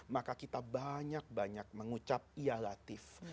maka kita banyak banyak mengucap ia latif